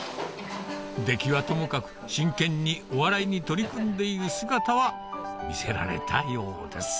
出来はともかく真剣にお笑いに取り組んでいる姿は見せられたようです